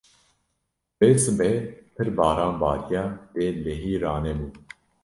Vê sibê pir baran bariya lê lehî ranebû.